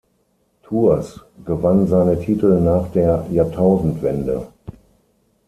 Tours gewann seine Titel nach der Jahrtausendwende.